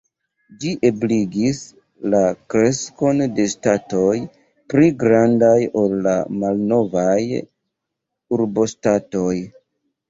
Ĝi ebligis la kreskon de ŝtatoj pli grandaj ol la malnovaj urboŝtatoj.